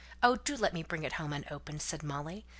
Oh, do let me bring it home unopened," said Molly.